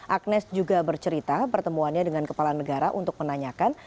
agnes juga bercerita pertemuannya dengan kepala negara untuk menanyakan